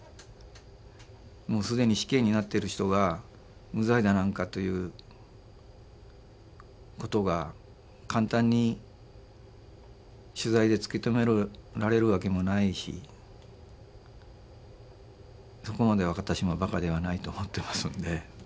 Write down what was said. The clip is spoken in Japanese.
もうすでに死刑になってる人が無罪だなんかということが簡単に取材で突き止められるわけもないしそこまで私もばかではないと思ってますんで。